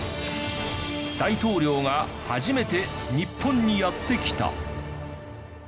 大統領が初めて日本にやって来た。